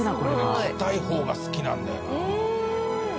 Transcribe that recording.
硬い方が好きなんだよな。